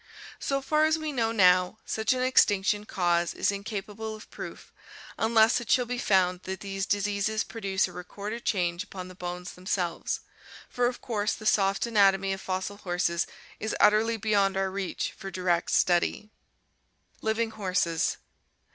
So far as we know now such an extinction cause is in capable of proof, unless it shall be found that these diseases produce a recorded change upon the bones themselves, for of course the soft anatomy of fossil horses is utterly beyond our reach for direct study. Living Horses.